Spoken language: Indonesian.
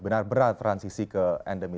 benar benar transisi ke endemi